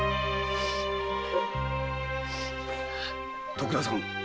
徳田さん